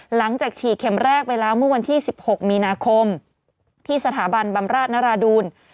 หลังจากฉีดเข็มแรกไปแล้วเมื่อวันที่๑๖มีนาคมที่สถาบันบำราชนราดูล